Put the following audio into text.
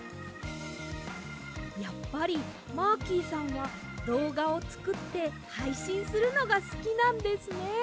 やっぱりマーキーさんはどうがをつくってはいしんするのがすきなんですね。